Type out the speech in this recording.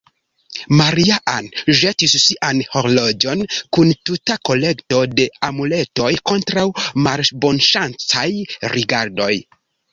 Maria-Ann ĵetis sian horloĝon, kun tuta kolekto da amuletoj kontraŭ malbonŝancaj rigardoj.